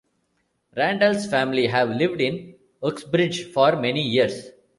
Randall's family have lived in Uxbridge for many years.